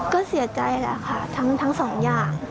ก็เสียใจค่ะทั้ง๒ย่า